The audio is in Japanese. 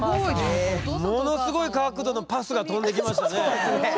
ものすごい角度のパスが飛んできましたね。